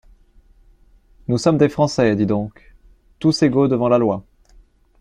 Nous sommes des Français, dis donc, tous égaux devant la loi.